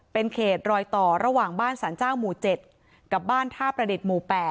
เป็นเขตรอยต่อระหว่างบ้านสรรเจ้าหมู่๗กับบ้านท่าประดิษฐ์หมู่๘